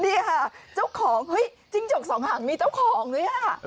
นี่ค่ะเจ้าของเฮ้ยจิ้งจกสองหางมีเจ้าของด้วยอ่ะ